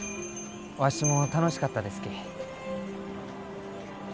わしも楽しかったですき。